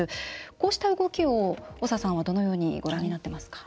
こうした動きを長さんはどのようにご覧になっていますか。